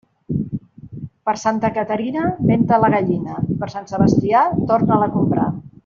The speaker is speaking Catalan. Per Santa Caterina, ven-te la gallina, i per Sant Sebastià torna-la a comprar.